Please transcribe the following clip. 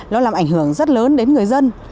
nó làm ảnh hưởng rất lớn đến người dân